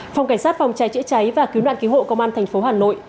phòng cảnh sát phòng cháy chữa cháy và cứu nạn cứu hộ công an thành phố hà nội